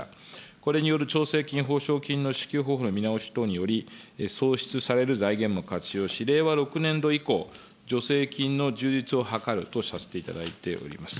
これによる調整金、ほしょう金の支給方法の見直し等により、創出される財源も活用し、令和６年度以降、助成金の充実を図るとさせていただいております。